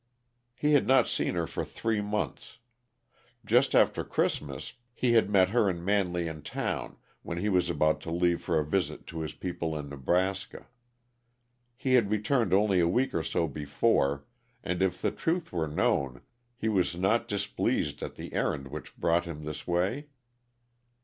He had not seen her for three months. Just after Christmas he had met her and Manley in town, when he was about to leave for a visit to his people in Nebraska. He had returned only a week or so before, and, if the truth were known, he was not displeased at the errand which brought him this way.